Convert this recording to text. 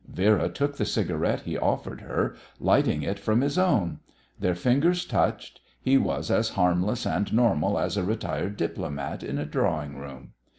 Vera took the cigarette he offered her, lighting it from his own; their fingers touched; he was as harmless and normal as a retired diplomat in a drawing room.